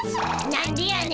何でやねん。